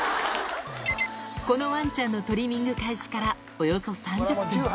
このわんちゃんのトリミング開始からおよそ３０分。